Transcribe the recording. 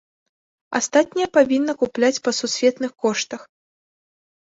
Астатняе павінна купляць па сусветных коштах.